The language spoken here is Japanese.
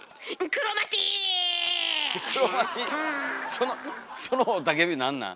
そのその雄たけびなんなん？